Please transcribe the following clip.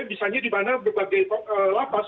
misalnya di mana berbagai lapas